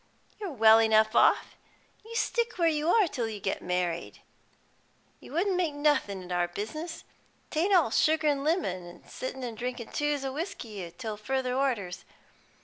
"You're well enough off. You stick where you are till you get married. You wouldn't make nothin' at our business; 'tain't all sugar an' lemon, an' sittin' drinkin' twos o' whisky till further orders.